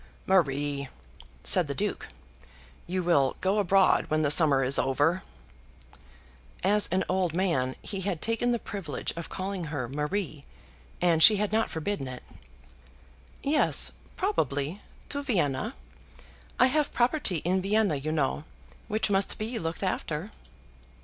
"Marie," said the Duke, "you will go abroad when the summer is over." As an old man he had taken the privilege of calling her Marie, and she had not forbidden it. Yes, probably; to Vienna. I have property in Vienna you know, which must be looked after.